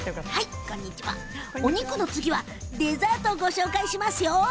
お肉の次はデザートをご紹介しますよ。